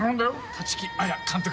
立木彩監督。